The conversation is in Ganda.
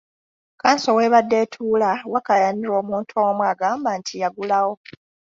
Kkanso w'ebadde etuula wakayanirwa omuntu omu agamba nti yagulawo.